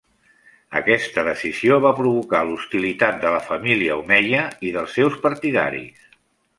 Aquesta decisió va provocar l'hostilitat de la família omeia i dels seus partidaris.